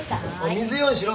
水用意しろ。